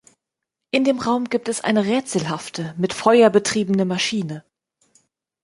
In dem Raum gibt es eine rätselhafte, mit Feuer betriebene Maschine.